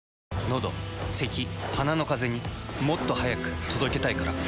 のどせき鼻のカゼにもっと速く届けたいから。